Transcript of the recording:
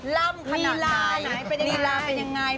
ลำขนาดไหนนิลาเป็นอย่างไร